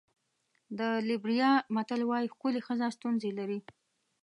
د لېبریا متل وایي ښکلې ښځه ستونزې لري.